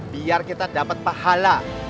biar kita dapat pahala